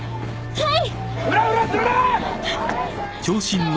はい！